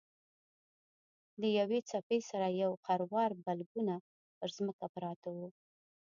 له یوې څپې سره یو خروار بلګونه پر ځمکه پراته وو.